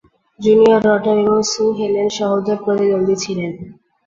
Junior Rotter এবং Sue Helen সহোদর প্রতিদ্বন্দ্বী ছিলেন।